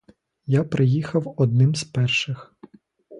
Я приїхав одним з перших.